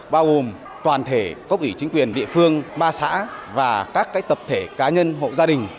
bao gồm toàn thể cốc ủy chính quyền địa phương ba xã và các tập thể cá nhân hộ gia đình